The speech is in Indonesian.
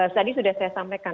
tadi sudah saya sampaikan